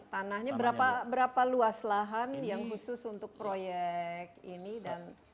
tanahnya berapa luas lahan yang khusus untuk proyek ini dan